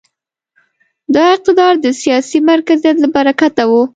دا اقتدار د سیاسي مرکزیت له برکته و.